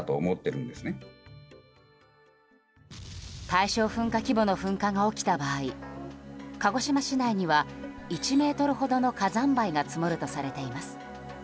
大正噴火規模の噴火が起きた場合鹿児島市内には１ｍほどの火山灰が積もるとされています。